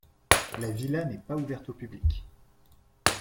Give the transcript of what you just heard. La villa n'est pas ouverte au public.